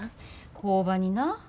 工場にな。